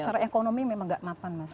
secara ekonomi memang nggak mapan mas